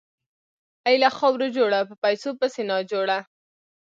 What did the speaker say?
اې له خاورو جوړه، په پيسو پسې ناجوړه !